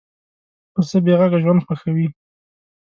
پسه بېغږه ژوند خوښوي.